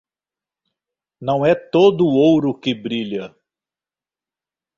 Não é todo o ouro que brilha.